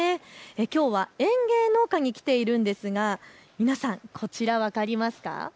きょうは園芸農家に来ているんですが皆さん、こちら分かりますか。